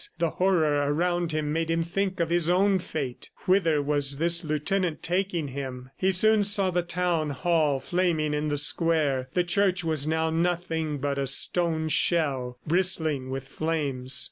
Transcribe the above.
The horror around him made him think of his own fate. Whither was this lieutenant taking him? ... He soon saw the town hall flaming in the square; the church was now nothing but a stone shell, bristling with flames.